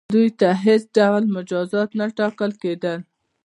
دوی ته هیڅ ډول مجازات نه ټاکل کیدل.